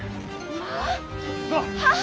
まあ！